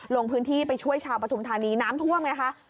ลงพื้นที่ไปช่วยชาวปฐุมธานีน้ำท่วมไงคะ